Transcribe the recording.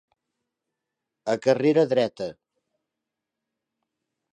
A carrera dreta.